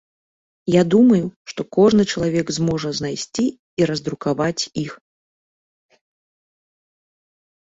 Я думаю, што кожны чалавек зможа знайсці і раздрукаваць іх.